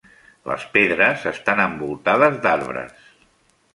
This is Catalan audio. Les pedres estan envoltades d'arbres.